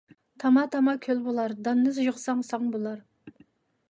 تاما - تاما كۆل بولار ، داننى يىغساڭ ساڭ تولار.